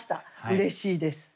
うれしいです。